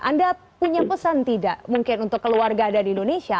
anda punya pesan tidak mungkin untuk keluarga dan indonesia